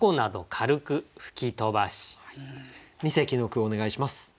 二席の句お願いします。